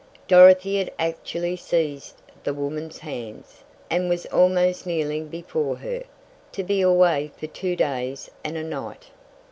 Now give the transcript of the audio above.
Dorothy had actually seized the woman's hands, and was almost kneeling before her. To be away for two days and a night!